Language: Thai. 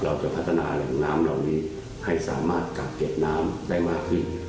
เราจะพัฒนาแหล่งน้ำเหล่านี้ให้สามารถกักเก็บน้ำได้มากขึ้น